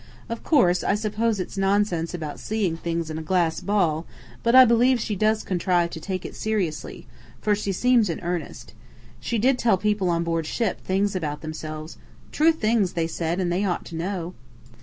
Of course, I suppose it's nonsense about seeing things in a glass ball, but I believe she does contrive to take it seriously, for she seems in earnest. She did tell people on board ship things about themselves true things, they said; and they ought to know!